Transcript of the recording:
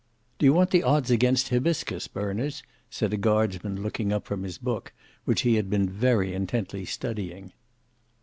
"Do you want the odds against Hybiscus, Berners?" said a guardsman looking up from his book, which he had been very intently studying.